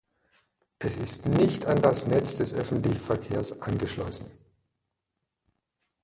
Es ist nicht an das Netz des öffentlichen Verkehrs angeschlossen.